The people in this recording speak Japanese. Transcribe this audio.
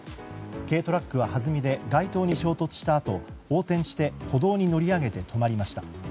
軽トラックははずみで街灯に衝突したあと横転して歩道に乗り上げて止まりました。